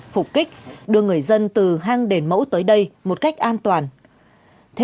phục kích đưa người dân từ hàng đền mẫu tới đây một cách đúng